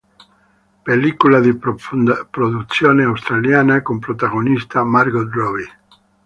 Pellicola di produzione australiana con protagonista Margot Robbie.